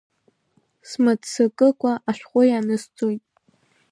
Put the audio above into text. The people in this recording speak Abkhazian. Смыццакыкәа ашәҟәы ианысҵоит.